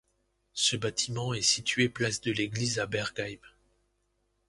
Ce bâtiment est situé place de l'Église à Bergheim.